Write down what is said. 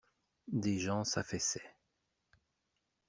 Des gens s'affaissaient.